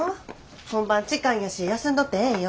本番近いんやし休んどってええんよ。